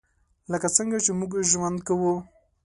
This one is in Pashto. لکه څنګه چې موږ ژوند کوو .